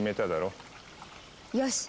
よし！